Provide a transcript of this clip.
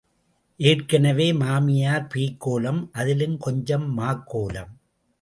ஏற்கனவே மாமியார் பேய்க் கோலம் அதிலும் கொஞ்சம் மாக்கோலம்.